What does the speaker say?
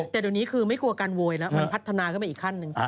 แต่ตอนนี้คือไม่กลัวการโวยละมันพัฒนาขึ้นไปอีกขั้นหนึ่ง